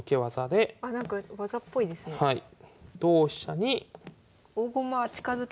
はい。